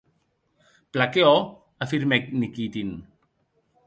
Plan que òc, afirmèc Nikitin.